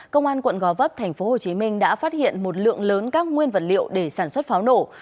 công an quận gò vấp tp hcm đã phát hiện một lượng lớn các nguyên vật liệu để sản xuất pháo nổ